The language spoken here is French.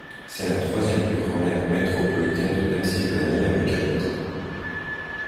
C'est la troisième plus grande aire métropolitaine de Pennsylvanie avec habitants.